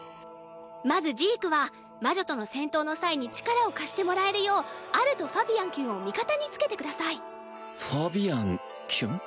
まずジークは魔女との戦闘の際に力を貸してもらえるようアルとファビアンきゅんを味方に付けてください。